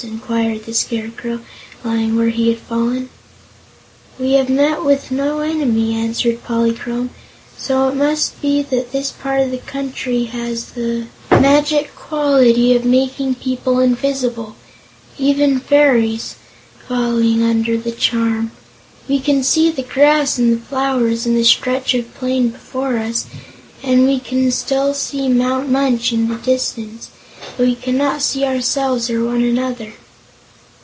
inquired the Scarecrow, lying where he had fallen. "We have met with no enemy," answered Poly chrome, "so it must be that this part of the country has the magic quality of making people invisible even fairies falling under the charm. We can see the grass, and the flowers, and the stretch of plain before us, and we can still see Mount Munch in the distance; but we cannot see ourselves or one another."